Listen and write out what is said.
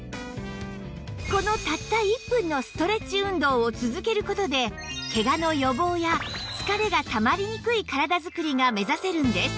このたった１分のストレッチ運動を続ける事でケガの予防や疲れがたまりにくい体づくりが目指せるんです